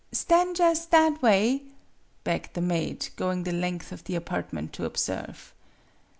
"Stan' jus' that way," begged the maid, going the length of the apartment to observe.